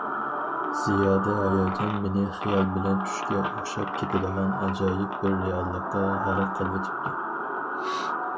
زىيادە ھاياجان مېنى خىيال بىلەن چۈشكە ئوخشاپ كېتىدىغان ئاجايىپ بىر رېئاللىققا غەرق قىلىۋېتىپتۇ.